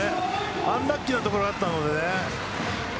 アンラッキーなところがあったんです。